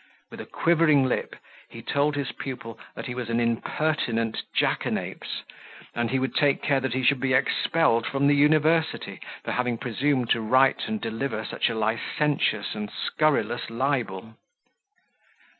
With a quivering lip, he told his pupil, that he was an impertinent jackanapes; and he would take care that he should be expelled from the university, for having presumed to write and deliver such a licentious and scurrilous libel.